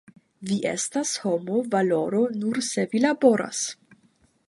Vi estas homo valoro nur se vi laboras.